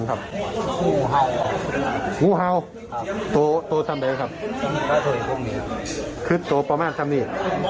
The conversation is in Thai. กนะท่างไว้คือประหละไม่มาใจ